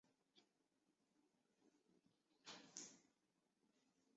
能乡白山也是日本二百名山之一。